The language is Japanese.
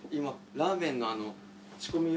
ラーメン？